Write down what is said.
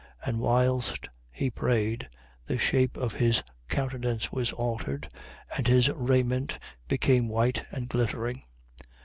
9:29. And whilst he prayed, the shape of his countenance was altered and his raiment became white and glittering.